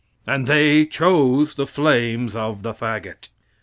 And they chose the flames of the fagot.